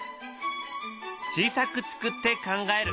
「小さく作って考える」。